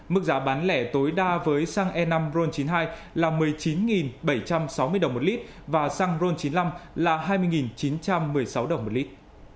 mức giá bán lẻ tối đa với xăng e năm ron chín mươi hai là một mươi chín bảy trăm sáu mươi đồng một lít và xăng ron chín mươi năm là hai mươi chín trăm một mươi sáu đồng một lít